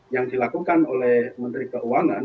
yang dilakukan oleh menteri keuangan